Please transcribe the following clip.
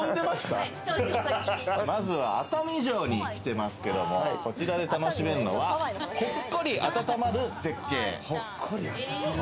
まずは熱海城に来ていますけれども、こちらで楽しめるのは、ほっこり温まる絶景。